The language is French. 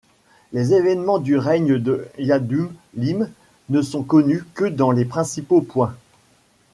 Les évènements du règne de Yahdun-Lîm ne sont connus que dans les principaux points.